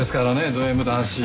どＭ男子。